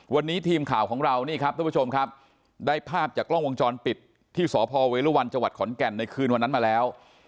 วันนี้ทีมข่าวของเรานี่ครับทุกผู้ชมครับได้ภาพจากกล้องวงจรปิดที่สพเวรุวันจังหวัดขอนแก่นในคืนวันนั้นมาแล้ว